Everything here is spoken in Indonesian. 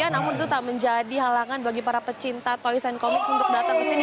namun itu tak menjadi halangan bagi para pecinta toys and comics untuk datang ke sini